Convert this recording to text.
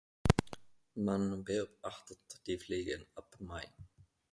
Man beobachtet die Fliegen ab Mai.